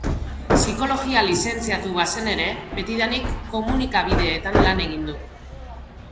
Psikologia lizentziatu bazen ere, betidanik komunikabideetan lan egin du.